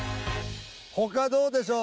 どうでしょう？